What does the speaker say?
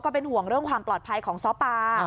เป็นห่วงเรื่องความปลอดภัยของซ้อปลา